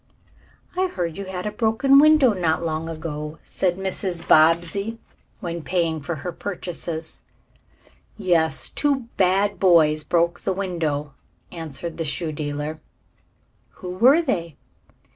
"I heard you had a window broken not long ago," said Mrs. Bobbsey, when paying for her purchases. "Yes, two bad boys broke the window," answered the shoe dealer. "Who were they?"